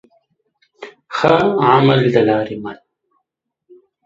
ښه عمل دلاري مل